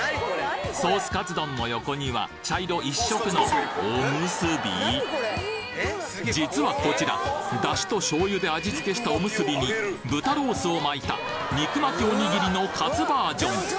ソースカツ丼の横には茶色一色の実はこちら出汁と醤油で味付けしたおむすびに豚ロースを巻いた肉巻きおにぎりのカツバージョン